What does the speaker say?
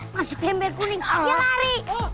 masuk ke ember kuning ya lari